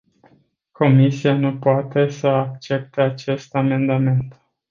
Comisia nu poate să accepte acest amendament.